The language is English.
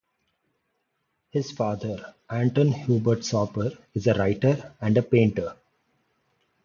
His father, Anton Hubertus Sauper is a writer and painter.